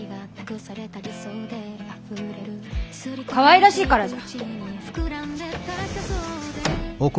かわいらしいからじゃ。